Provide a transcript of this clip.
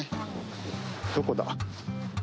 どこだ？